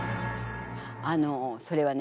あのそれはね